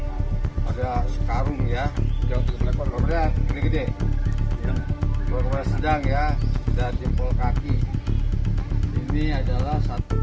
hai ada sekarang ya jangan berpikir pikir sedang ya dan jempol kaki ini adalah satu